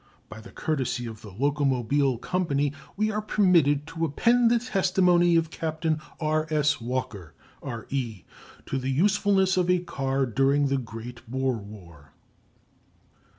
By the courtesy of the Locomobile Company we are permitted to append the testimony of Captain R. S. Walker, R.E., to the usefulness of a car during the great Boer War.